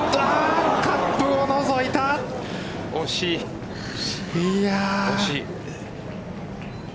カップをのぞいた、惜しい。